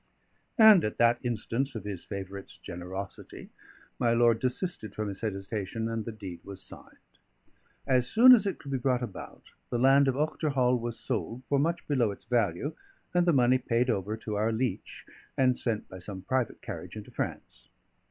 And at that instance of his favourite's generosity my lord desisted from his hesitation, and the deed was signed. As soon as it could be brought about, the land of Ochterhall was sold for much below its value, and the money paid over to our leech and sent by some private carriage into France.